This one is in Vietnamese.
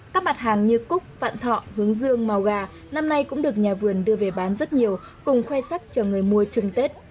các mặt hàng như cúc vạn thọ hướng dương màu gà năm nay cũng được nhà vườn đưa về bán rất nhiều cùng khoe sắc cho người mua chừng tết